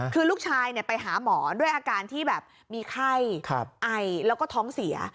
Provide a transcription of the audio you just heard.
คือลูกชายไปหาหมอด้วยอาการที่แบบมีไข้ไอแล้วก็ท้องเสีย